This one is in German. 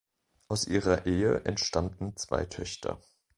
Aus ihrer Ehe entstammten zwei Töchter.